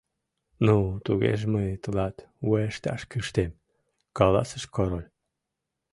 — Ну, тугеже мый тылат уэшташ кӱштем, — каласыш король.